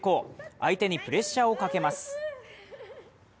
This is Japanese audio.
相手にプレッシャーをかけます。